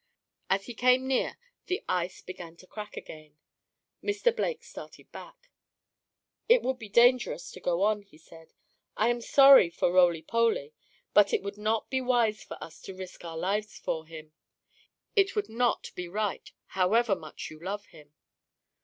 As he came near the ice began to crack again. Mr. Blake skated back. "It would be dangerous to go on," he said. "I am sorry for Roly Poly, but it would not be wise for us to risk our lives for him. It would not be right, however much you love him."